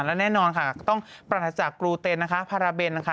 และแน่นอนค่ะก็ต้องปราศจากกรูเต็นนะคะพาราเบนนะคะ